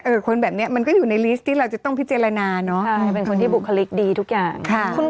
คนแบบนี้มันก็อยู่ในลิสต์ที่เราจะต้องพิจารณาเนอะใช่เป็นคนที่บุคลิกดีทุกอย่าง